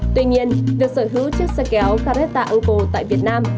tuy nhiên việc sở hữu chiếc xe kéo caretta uncle tại việt nam